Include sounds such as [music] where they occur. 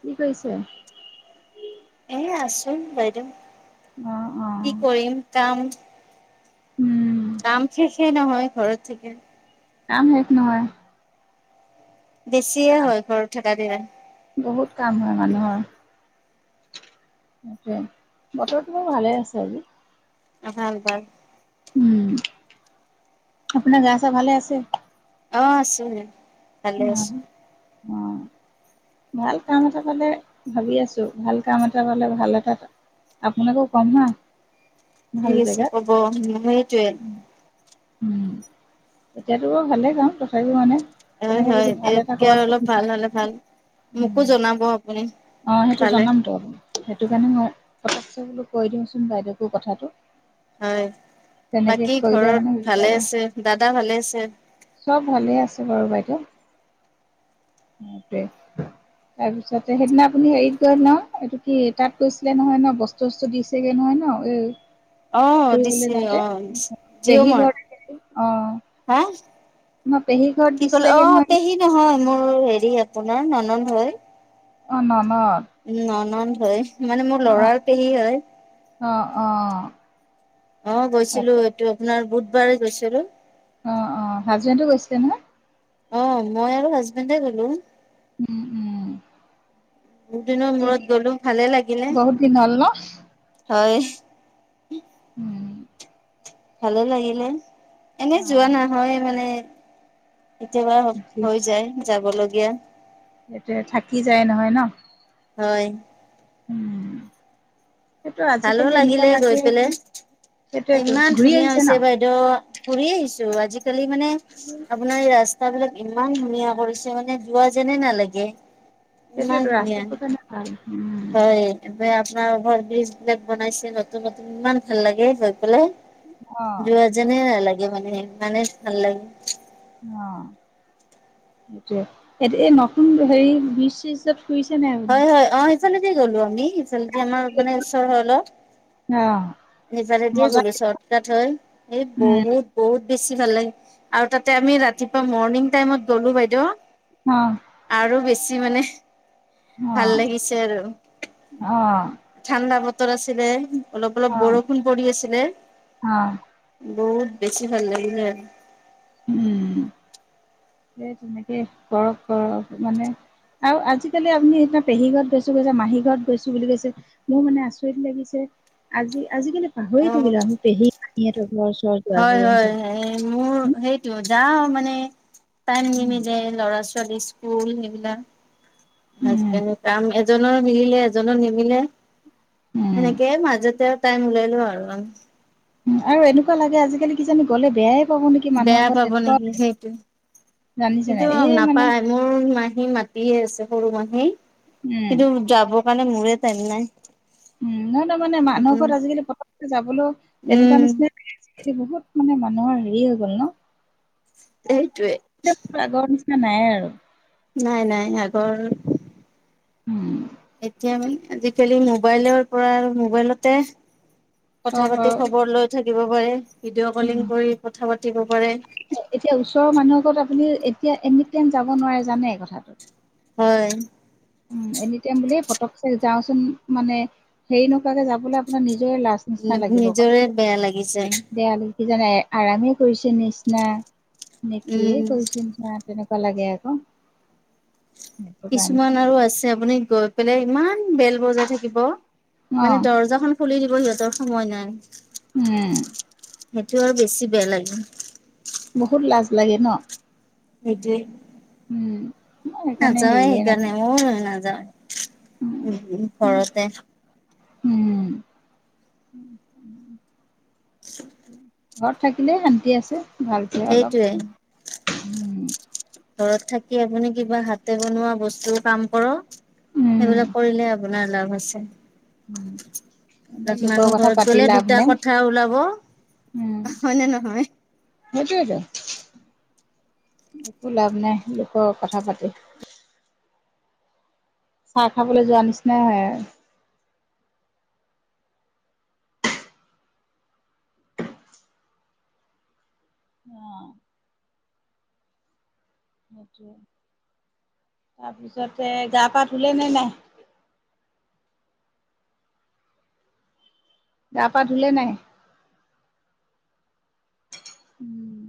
কি কৈছে! এ আছুন বাইদেউ। অ', কি অ', কৰিম কাম। উম, নাম শেষেই নহয় ঘৰত থাকে। কাম শেষ নহয়। বেছিয়ে হয় ঘৰত। থাকা দিয়া। বহুত কাম হয় মানুহৰ। বতৰটো ভালে আছে আজি। অ ভাল ভাল। আপোনাৰ গা চা ভালে আছে? আছে। ভালে আছে। অ', ভাল কাম এটা পালে ভাবি আছো ভাল কাম এটা পালে ভাল এটা আপোনাকো কম হা। ভাল ঠিক আছে জেগাত। কাব মোৰো সেইটোৱেই। এতিয়াতোও ভালে কাম তথাপিও মানে। হয় তেনেকে হয় যদি ভাল এটা ইয়াতকৈ ক'ৰবাত অলপ ভাল হলে ভাল মোকো উম, জনাব আপুনি। অ সেইটো পালে জনাম টো সেইটো কাৰণে মই। আহকচোন বোলো কৈ দিও চোন বাইদেউকো কথাটো। হয় তেনেকে বাকী কৰিলে মানে ঘৰত সুবিধা ভালে হয়। আছে দাদা ভালে আছে। অ তাৰপিছত। সেইদিনা আপুনি হেৰিত ন এইটো কি তাত কৈছিলে নহয় ন বস্তু চস্তু দিছেগে নহয় ন উম। অ দিছে অ জিঅ' পেহী ঘৰত অ মাৰ্ত হা। ন পেহী ঘৰত কি ক'লে অ দিছিলেগে নহয় পেহী নহয় মই। মোৰ হেৰি আপোনাৰ ননন্দ হয়। অ নন। উম ননন্দ। হয় মানে মোৰ অ লৰাৰ পেহী হয় অ অ অ গৈছিলো এইটো আপোনাৰ বহুত বাৰ গৈছিলোঁ অ অ হাজবেণ্ডো গৈছিলে নহয় অ মই আৰু হাজবেণ্ডে গলো উম উম দুদিনৰ কি মূৰত কি গলো ভালে লাগিলে। বহুত দিন হ'ল ন হয়। উম। ভালে লাগিলে। এনে অ যোৱা নহয় মানে। কেতিয়াবা মন হৈ যায় যাবলৈ। বুজি পোৱা নগ'ল [unintelligible] সেইটোৱে থাকি যায় নহয় ন হয় উম সেইটো ভালো আজিকালি এনেকুৱা লাগিলে লাগে গৈ পেলাই সেইটোয়েতো ইমান ঘূৰি ধুনীয়া আহিছে ন হৈছে বাইদেউ ফুৰি আহিছো আজিকালি মানে আপোনাৰ ৰাস্ত বিলাক ইমান ধুনীয়া কৰিছে মানে যোৱা যেনে নালাগে। ইমান সেইটোৱেতো ৰাস্তা ধুনীয়া তো নে ভাল, উম ন ভৰ দি [unintelligible] বলেগ বনাইছে নতুন নতুন ইমান ভাল লাগে গৈ পেলাই অ যোৱাজনে নালাগে মানে ইমানে ভাল লাগে। অ, সেইটোয়ে এই এই নতুন হেৰি বিছ হয় হয় অ সিফালেদি গ'লো আমি সিফালেদি আমাৰ আপুনি মানে ওচৰ হয় অলপ। অ নিজাৰে দিয়ে মজা গলো চৰ্টকাট হয় এই উম বহুত বহুত। বেছি ভাল লাগে আৰু তাতে আমি ৰাতিপুৱা মৰ্ণিং টাইমত গ'লো বাইদেউ অ আৰু বেছি আজি মানে অ ভাল লাগিছে আৰু অ ঠাণ্ডা বত আছিলে অলপ অ বৰষুণ পৰি আছিলে, অ বহুত বেছি ভাল লাগিলে উম সেই তেনেকেই, কৰক কৰক মানে আৰু আজিকালি আপুনি এতিয়া পেহী ঘৰত গৈছো কৈছে মাহী ঘৰত গৈছো বুলি কৈছে মোৰ মানে আচৰিত লাগিছে আজি আজিকালি পাহৰিয়ে আৰু থাকিলোঁ অ। আমি পেহী সিহঁত [unintelligible] হয় হয় মোৰ সেইটো যাওঁ মানে। টাইম উম নিমিলে ল'ৰা- ছোৱালীৰ স্কুল সেইবিলাক উম হাজবেণ্ড, কাম এজনৰ মিলে, এজনৰ নিমিলে উম সেনেকে মাজতে টাইম মিলালে আৰু ইমান উম আৰু এনেকুৱা লাগে আজিকালি কিজানি গ'লে বেয়াই পাব নেকি মানুহৰ বেয়া ঘৰত পাব নেকি তেনেকুৱা সেইটোৱেই জানিছে কিন্তু নাই এই মানে নাপায় মোৰ মাহী মাতিয়ে আছে সৰু মাহি উম কিন্তু যাবৰ কাৰণে মোৰে টাইম নাই, উম, নহয় নহয় মানে মানুহৰ আপোনাৰ ঘৰত আজিকালি পথম যাবলৈও তেনেকুৱা উম নিচিনাই আ স বহুত মানে মানুহৰ হেৰি হৈ গ'ল ন। সেইটোৱেই, আগৰ নিচিনা নাই আৰু নাই নাই আগৰ উম। এতিয়া মানে আজিকালি মোবাইলৰ পৰা আৰু মোবাইলতে- কথা চব পাতি আৰু খবৰ লৈ থাকিব। হয় ভিডিঅ' উম, কলিং কৰি কথা পা পাতিব পাৰে। এতিয়া ওচৰৰ মানুহ আগত এতিয়া এনি টাইম যাব নোৱাৰে জানে কথাটো হয় উম, এনিটাইম বুললে পতকে যাওঁচোন মানে হেৰি নোকোৱাকে যাবলৈ আপোনাৰ নি নিজৰে বেয়া লাগিছে। কিজানে আৰামেই কৰিছে নিচিনা- নেকি উম। কৈছিল তেনেকৈ লাগে আকৌ সেইটো কাৰণে। কিছুমান আৰু আছে আপুনি গৈ পেলাই ইমান বেল বজাই থাকিব মানে অ', দৰ্জা খুলি দিব সিহঁতৰ সময় নাই উম সেইটো আৰু বেছি বেয়া লাগে বহুত লাজ লাগে ন হেইজে উম, মই সেইকাৰণে নযাই হেৰিয়ে সেইকাৰণে নকৰোঁ। মোৰ [unintelligible] যা উম, উ ঘৰতে উম [inaudible] ঘৰত থাকিলে শান্তি আছে ভালকে অলপ সেইটোৱে। ঘৰত থাকি আপুনি কিবা হাতে বনোৱা বস্তু কাম কৰক উম, সেইবিলাক কৰিলে আপোনাৰ লাভ আছে উম, এনেই তাত লোকৰ মানুহ কথা ঘৰত পাতি গলে লাভ দুটা নাই। কথা ওলাব হয়নে নহয় সেইটোৱেতো একো লাভ নাই লোকৰ কথা পাতি চাহ খাবলৈ যোৱা নিচিনাই অঁ সেইটো তাৰপিছতে গা পা ধুলে নে নাই? গা পা ধুলে নাই উম